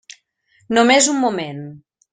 Només un moment.